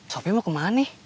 sopi mau kemana nih